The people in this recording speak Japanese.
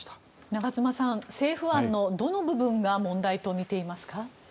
長妻さん政府案のどの部分が問題とみていますか？